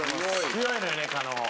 強いのよね狩野。